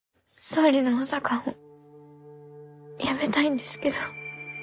総理の補佐官を辞めたいんですけど。